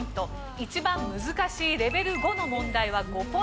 一番難しいレベル５の問題は５ポイントです。